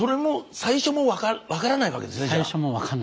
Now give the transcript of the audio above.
最初も分からないです。